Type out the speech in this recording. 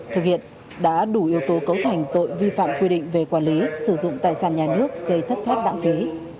thực hiện đã đủ yếu tố cấu thành tội vi phạm quy định về quản lý sử dụng tài sản nhà nước gây thất thoát lãng phí